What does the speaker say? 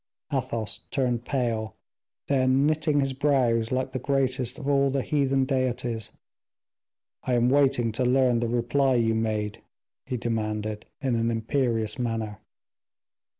Athos turned pale; then, knitting his brows like the greatest of all the heathen deities: "I am waiting to learn the reply you made," he demanded, in an imperious manner.